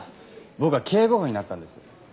僕は警部補になったんです。